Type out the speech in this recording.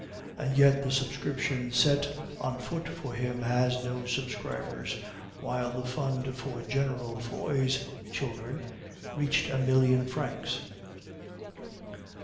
And yet the subscription set on foot for him has no subscribers, while the fund for General Foy's children reached a million francs.